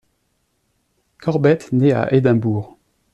Corbett naît à Édimbourg.